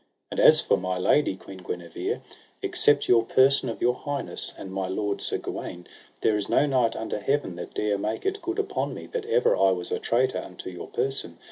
And as for my lady, Queen Guenever, except your person of your highness, and my lord Sir Gawaine, there is no knight under heaven that dare make it good upon me, that ever I was a traitor unto your person.